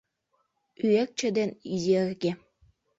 Ӱэкче ден Изерге